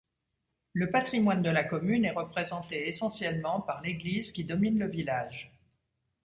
Le patrimoine de la commune est représenté essentiellement par l'église qui domine le village.